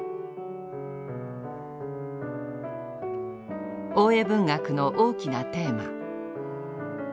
文学の大きなテーマ。